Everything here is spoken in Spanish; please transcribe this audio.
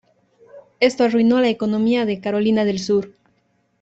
Esto arruinó la economía de Carolina del Sur.